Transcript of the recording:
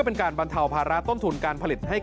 โปรดติดตามตอนต่อไป